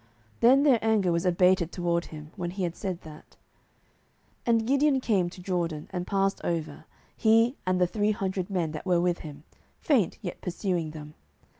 Then their anger was abated toward him, when he had said that. 07:008:004 And Gideon came to Jordan, and passed over, he, and the three hundred men that were with him, faint, yet pursuing them.